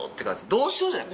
「どうしよう」じゃない。